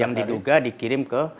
yang diduga dikirim ke